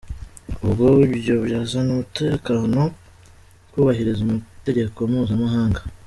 Ubwo ibyo byazana umutekano? Kubahiriza amategeko mpuzamahanga.